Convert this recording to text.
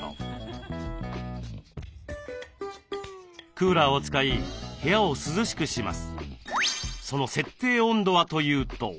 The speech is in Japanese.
クーラーを使い部屋を涼しくします。